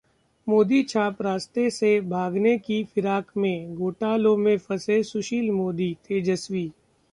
'मोदी छाप' रास्ते से भागने की फिराक में घोटालों में फंसे सुशील मोदी: तेजस्वी